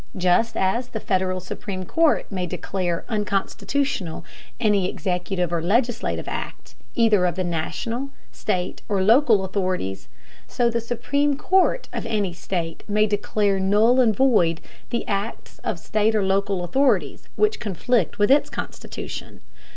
Just as the Federal Supreme Court may declare unconstitutional any executive or legislative act, either of the National, state, or local authorities, so the Supreme Court of any state may declare null and void the acts of state or local authorities which conflict with its constitution.